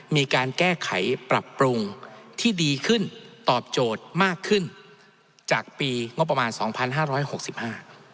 มีการแก้ไขปรับปรุงที่ดีขึ้นตอบโจทย์มากขึ้นจากปีงบประมาณสองพันห้าร้อยหกสิบห้า